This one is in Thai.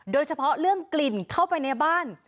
โดยเฉพาะเรื่องกลิ่นเข้าไปในบ้าน